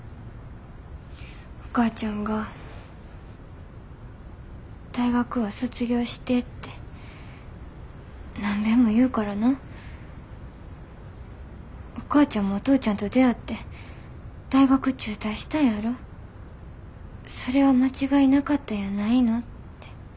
お母ちゃんが大学は卒業してって何べんも言うからなお母ちゃんもお父ちゃんと出会って大学中退したんやろそれは間違いなかったんやないのって。